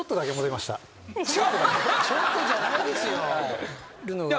ちょっとじゃないですよ。